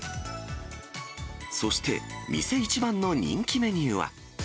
そして、店一番の人気メニューは。